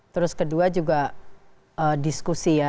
terus kedua juga diskusi ya